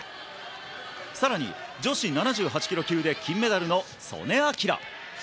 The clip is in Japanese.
更に女子７８ｋｇ級で金メダルの素根輝。